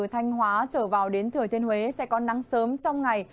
thanh hóa trở vào đến thừa thiên huế sẽ có nắng sớm trong ngày